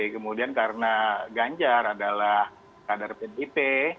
kemudian karena ganjar adalah kader pdip